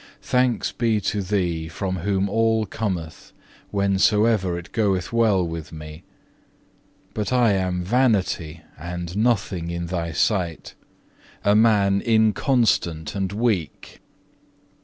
4. Thanks be to Thee, from whom all cometh, whensoever it goeth well with me! But I am vanity and nothing in Thy sight, a man inconstant and weak.